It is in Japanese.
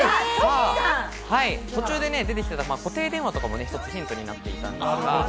途中で出てきてた固定電話とかも、一つヒントになっていたんですが。